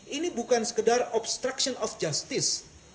ini bukan sekedar obstruction of justice